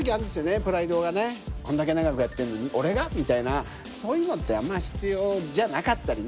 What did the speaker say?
こんだけ長くやってんのに俺が？みたいなそういうのってあんま必要じゃなかったりね。